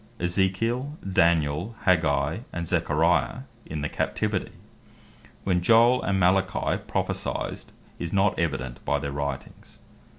Ezekiel, Daniel, Aggeus, and Zacharias, in the Captivity. When Joel and Malachi prophecyed, is not evident by their Writings.